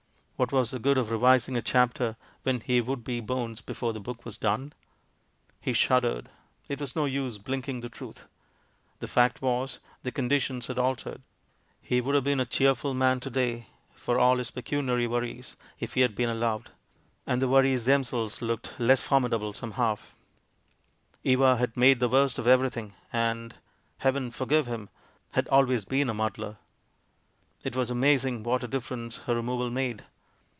What was the good of revising a chapter, when he would be bones before the book was done? He shuddered. It was no use blinking the truth; the fact was, the conditions had altered. He would have been a cheerful man to day, for all his pecuniary worries, if he had been allowed ; and the worries themselves looked less formi dable, somehow. Eva had made the worst of everything, and — Heaven forgive him! — had al ways been a muddler. It was amazing what a difference her removal made.